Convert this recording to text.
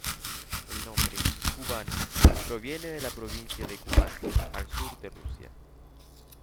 El nombre Kuban proviene de la Provincia de Kuban, al sur de Rusia.